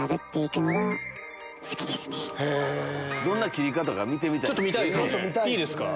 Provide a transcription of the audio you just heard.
どんな切り方か見てみたいです。